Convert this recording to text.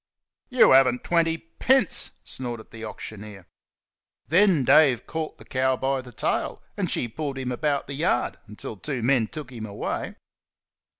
"You have n't twenty two PENCE," snorted the auctioneer. Then Dave caught the cow by the tail, and she pulled him about the yard until two men took him away.